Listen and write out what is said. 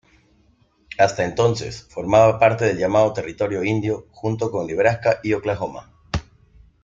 Hasta entonces, formaba parte del llamado Territorio Indio, junto con Nebraska y Oklahoma.